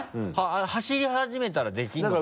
走り始めたらできるのかな？